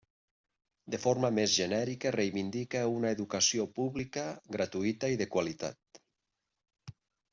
De forma més genèrica reivindica una educació pública, gratuïta i de qualitat.